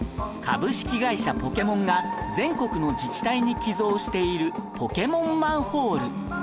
株式会社ポケモンが全国の自治体に寄贈しているポケモンマンホール